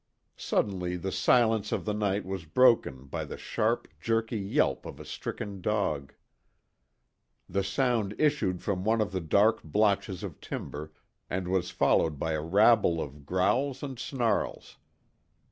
Suddenly the silence of the night was broken by the sharp jerky yelp of a stricken dog. The sound issued from one of the dark blotches of timber, and was followed by a rabble of growls and snarls.